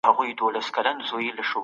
د پوهانو قدر کول پکار دي.